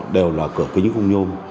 đều là cửa kính không nhôm